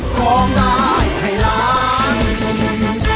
ต้องได้ให้รัก